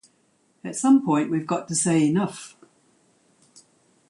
At some point we've got to say enough.